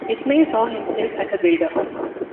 Ismail saw himself as a builder.